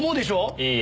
いいえ。